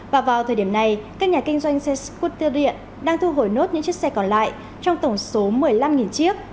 và vào thời điểm này các nhà kinh doanh xe scooter điện đang thu hồi nốt những chiếc xe còn lại trong tổng số một mươi năm chiếc